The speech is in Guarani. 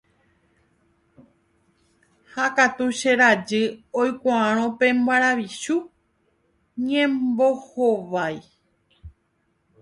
Ha katu che rajy oikuaárõ pe maravichu ñembohovái.